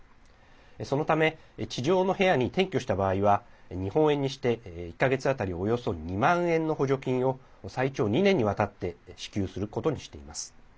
そのため、地上の部屋に転居した場合は日本円にして１か月当たりおよそ２万円の補助金を最長２年にわたって支給することにしています。